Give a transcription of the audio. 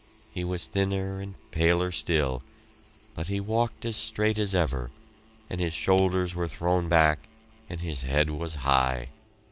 He was thinner and paler still, but he walked as straight as ever, and his shoulders were thrown back and his head was high!